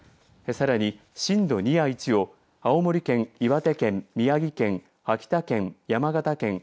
さらに震度２や１を青森、岩手県、宮城県秋田県、山形県